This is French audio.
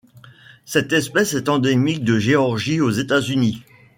Cette espèce est endémique de Géorgie aux États-Unis.